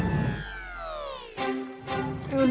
gue akan selalu buat lo